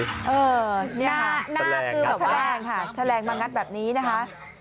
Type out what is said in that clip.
เออหน้าคือแบบนี้ค่ะแชลงมางัดแบบนี้นะคะ